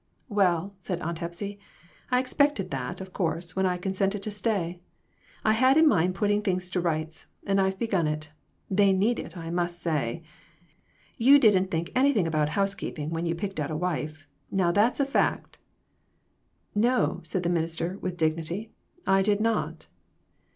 "Well," said Aunt Hepsy, "I expected that, of course, when I consented to stay. I had in mind putting things to rights, and I've begun it. They need it, I must say ! You didn't think anything about housekeeping when you picked out a wife ; now that's a fact." "No," said the minister, with dignity, "I did not."